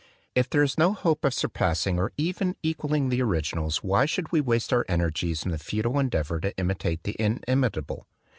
If there is no hope of surpassing or even of equalling the originals why should we waste our energies in the futile endeavor to imitate the inimitable